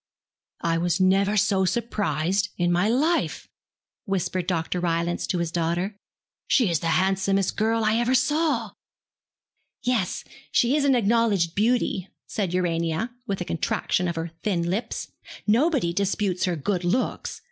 'I was never so surprised in my life,' whispered Dr. Rylance to his daughter. 'She is the handsomest girl I ever saw.' 'Yes, she is an acknowledged beauty, said Urania, with a contraction of her thin lips; 'nobody disputes her good looks.